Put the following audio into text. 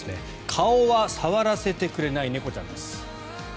顔は触らせてくれない猫ちゃんです。